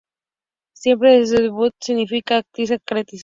Siempre desde su debut se dedica a actriz característica.